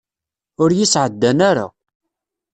Ur yi-sɛeddan ara.